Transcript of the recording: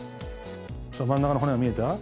真ん中の骨が見えた？